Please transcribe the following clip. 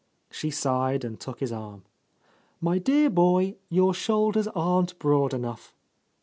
She sighed and took his arm. "My dear boy, your shoulders aren't broad enough."